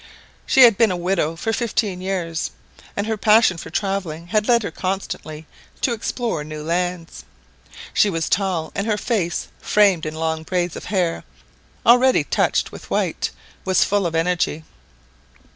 She had been a widow for fifteen years, and her passion for travelling led her constantly to explore new lands. She was tall, and her face, framed in long braids of hair, already touched with white, was full of energy.